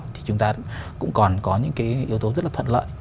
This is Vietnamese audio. thì chúng ta cũng còn có những cái yếu tố rất là thuận lợi